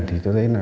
thì tôi thấy là